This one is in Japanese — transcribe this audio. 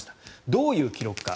どういう記録か。